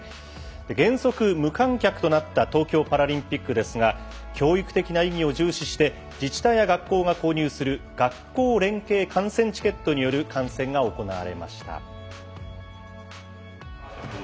原則無観客となった東京パラリンピックですが教育的な意義を重視して自治体や学校が購入する学校連携観戦チケットによる観戦が行われました。